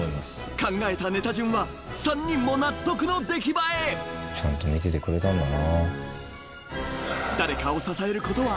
考えたネタ順は３人も納得の出来栄えちゃんと見ててくれたんだな。